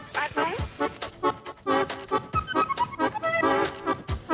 จ๊ะจ๊ะริมจอ